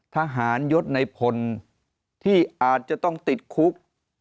ทหารยศในพลที่อาจจะต้องติดคุก